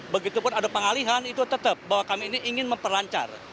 begitupun ada pengalihan itu tetap bahwa kami ini ingin memperlancar